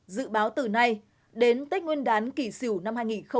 dự báo từ nay đến tết nguyên đán kỳ xỉu năm hai nghìn hai mươi một